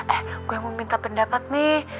eh gue mau minta pendapat nih